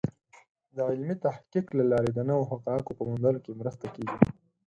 د علمي تحقیق له لارې د نوو حقایقو په موندلو کې مرسته کېږي.